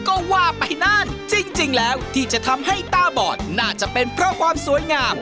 โอ้โหโหก็ว่าไปนั้น